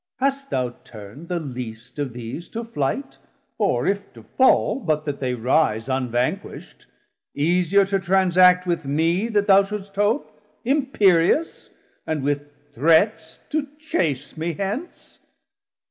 Hast thou turnd the least of these To flight, or if to fall, but that they rise Unvanquisht, easier to transact with mee That thou shouldst hope, imperious, & with threats To chase me hence?